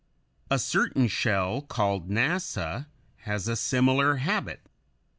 A certain shell, called Nassa, has a similar habit.